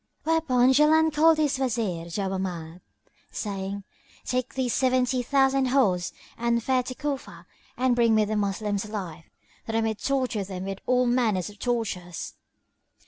Whereupon Jaland called his Wazir Jawámard,[FN#13] saying, "Take thee seventy thousand horse and fare to Cufa and bring me the Moslems alive, that I may torture them with all manner of tortures."